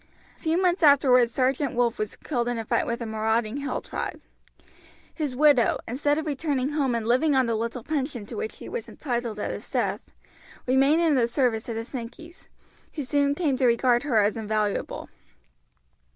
A few months afterward Sergeant Wolf was killed in a fight with a marauding hill tribe. His widow, instead of returning home and living on the little pension to which she was entitled at his death, remained in the service of the Sankeys, who soon came to regard her as invaluable.